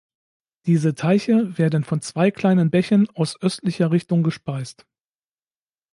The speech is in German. Diese Teiche werden von zwei kleinen Bächen aus östlicher Richtung gespeist.